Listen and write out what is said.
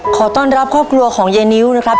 ขอต้อนรับครอบครัวของยายนิ้วนะครับ